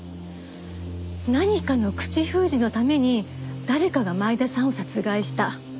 何かの口封じのために誰かが前田さんを殺害した。